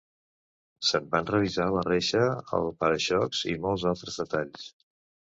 Se'n van revisar la reixa, el para-xocs i molts altres detalls.